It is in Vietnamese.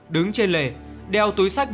đứng trên lề đeo túi sách